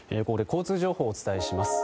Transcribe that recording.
交通情報をお伝えします。